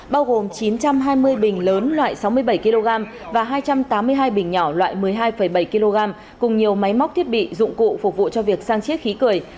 bao gồm chín trăm hai mươi bình lớn loại sáu mươi bảy kg và hai trăm tám mươi hai bình nhỏ loại một mươi hai bảy kg cùng nhiều máy móc thiết bị dụng cụ phục vụ cho việc sang chiếc khí cười